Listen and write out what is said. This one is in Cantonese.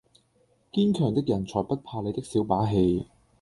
堅強的人才不怕你的小把戲！